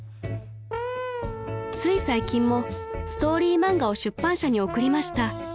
［つい最近もストーリー漫画を出版社に送りました］